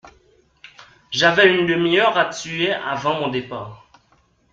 J’avais une demi-heure à tuer avant mon départ.